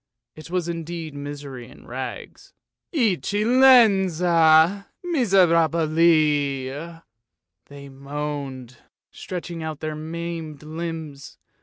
It was indeed misery in rags. " Eccellenza, miserabili," they moaned, stretching out their maimed limbs.